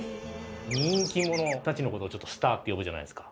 人気者たちのことを「スター」って呼ぶじゃないですか。